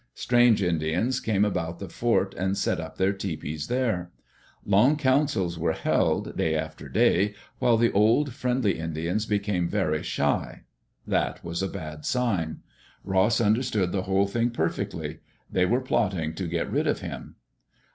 Strange Indians came about the fort and set up their tepees there. Long councils were held, day after day, while the old, friendly Indians became very shy. That was a bad sign. Ross understood the whole thing perfectly. They were plotting to get rid of him.